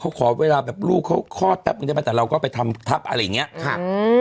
เขาขอเวลาแบบลูกเขาคลอดแป๊บนึงได้ไหมแต่เราก็ไปทำทับอะไรอย่างเงี้ยครับอืม